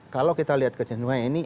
kalau kita lihat kejadian ini